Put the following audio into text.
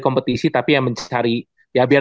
kompetisi tapi yang mencari ya biar